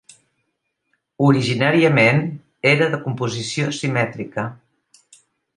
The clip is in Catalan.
Originàriament era de composició simètrica.